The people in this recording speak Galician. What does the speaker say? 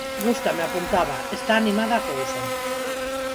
"Gústame", apuntaba, "está animada a cousa".